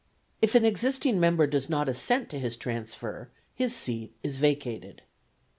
If an existing member does not assent to his transfer, his seat is vacated.